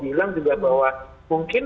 bilang juga bahwa mungkin